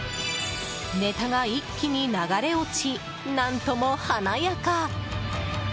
ネタが一気に流れ落ち何とも華やか。